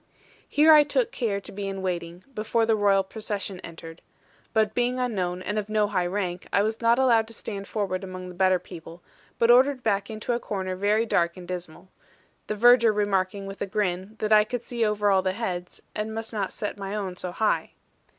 Here I took care to be in waiting, before the Royal procession entered; but being unknown, and of no high rank, I was not allowed to stand forward among the better people, but ordered back into a corner very dark and dismal; the verger remarking, with a grin, that I could see over all other heads, and must not set my own so high.